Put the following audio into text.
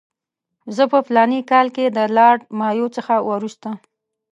زه په فلاني کال کې د لارډ مایو څخه وروسته.